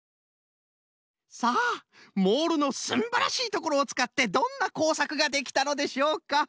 さあモールのすんばらしいところをつかってどんなこうさくができたのでしょうか。